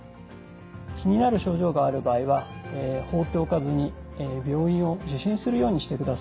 気になる症状がある場合は放っておかずに病院を受診するようにしてください。